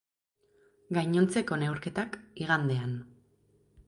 Gainontzeko neurketak, igandean.